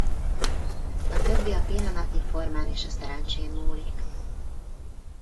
A többi a pillanatnyi formán és a szerencsén múlik.